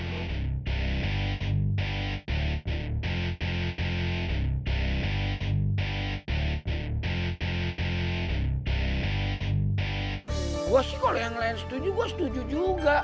gua sih kalau yang lainnya setuju gua setuju juga